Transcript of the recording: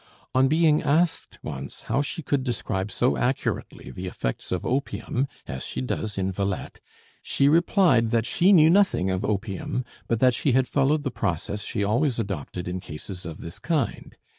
On being asked once how she could describe so accurately the effects of opium as she does in 'Villette,' she replied that she knew nothing of opium, but that she had followed the process she always adopted in cases of this kind.